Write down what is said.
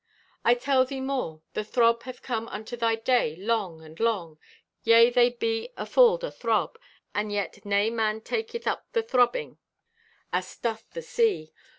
"I tell thee more. The throb hath come unto thy day long and long. Yea, they be afulled o' throb, and yet nay man taketh up the throbbing as doth the sea.